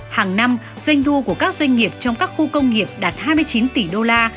hàng năm doanh thu của các doanh nghiệp trong các khu công nghiệp đạt hai mươi chín tỷ đô la